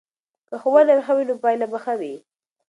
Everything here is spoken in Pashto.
که ښوونه ښه وي نو پایله به ښه وي.